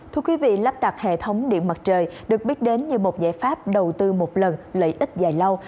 thưa quý vị lắp đặt hệ thống điện mặt trời được biết đến như một giải pháp đầu tư một lần lợi ích dài lâu